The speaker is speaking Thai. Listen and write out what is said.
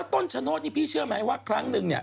ต้นชะโนธนี่พี่เชื่อไหมว่าครั้งนึงเนี่ย